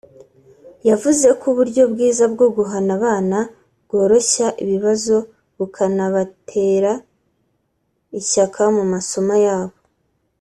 yavuze ko uburyo bwiza bwo guhana abana bworoshya ibibazo bukanabatera ishyaka mu masomo yabo